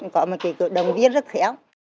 có một cái cụ đồng viên rất khéo